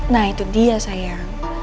nah itu dia sayang